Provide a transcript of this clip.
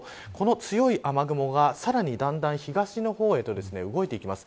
この強い雨雲が、さらにだんだん東の方へと動いてきます。